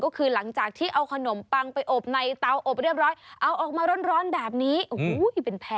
ก็คือหลังจากที่เอาขนมปังไปอบในเตา